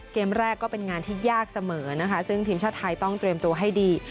เกมแรกก็เป็นงานที่ยากเสมอนะคะซึ่งทีมชาติไทยต้องเตรียมตัวให้ดี